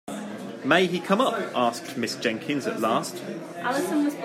“May he come up?” asked Miss Jenkyns at last.